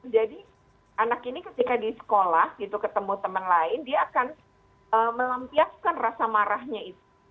jadi anak ini ketika di sekolah ketemu teman lain dia akan melampiaskan rasa marahnya itu